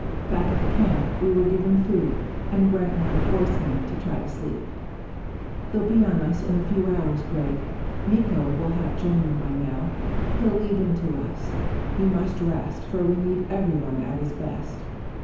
Back at the camp we were given food, and Grantline forced me to try to sleep. "They'll be on us in a few hours, Gregg. Miko wall have joined them by now. He'll lead them to us. You must rest, for we need everyone at his best."